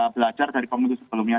belajar dari pemilu sebelumnya